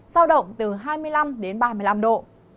giao động từ hai mươi năm đến ba mươi năm độ